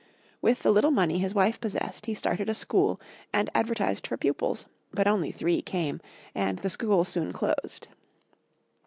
With the little money his wife possessed, he started a school, and advertised for pupils; but only three came, and the school soon closed.